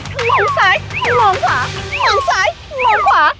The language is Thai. ทั้งลองซ้ายทั้งลองขวาทั้งลองซ้ายทั้งลองขวา